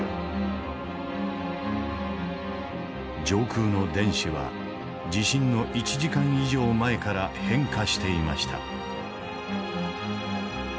上空の電子は地震の１時間以上前から変化していました。